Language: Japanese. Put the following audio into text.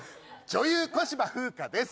女優小芝風花です。